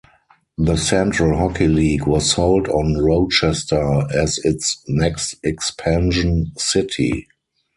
The Central Hockey League was sold on Rochester as its next expansion city.